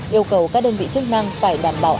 yêu cầu các đơn vị chức năng phải đảm bảo